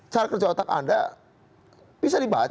cara kerja otak anda bisa dibaca